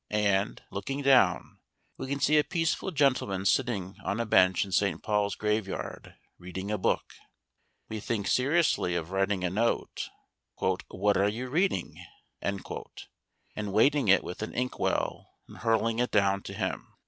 And, looking down, we can see a peaceful gentleman sitting on a bench in St. Paul's graveyard, reading a book. We think seriously of writing a note, "What are you reading?" and weighting it with an inkwell and hurling it down to him.